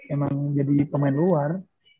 emang jadi pemain luar